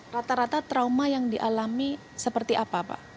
rata rata trauma yang dialami seperti apa pak